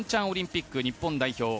オリンピック日本代表